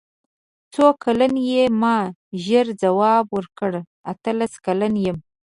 څو کلن یې ما ژر ځواب ورکړ اتلس کلن یم.